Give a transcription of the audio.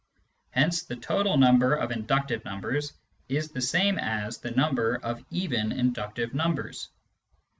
Hence the total number of inductive numbers is the same as the number of even inductive numbers.